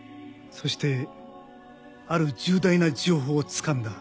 そしてある重大な情報をつかんだ。